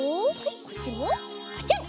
こっちをカチャン。